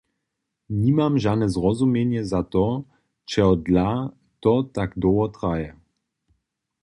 Nimam žane zrozumjenje za to, čehodla to tak dołho traje.